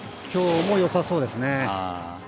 今日もよさそうですね。